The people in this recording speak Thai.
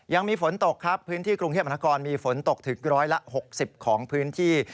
ยังมีฝนตกครับพื้นที่กรุงเทพมนาคอนมีฝนตกถึงร้อยละ๖๐ของพื้นที่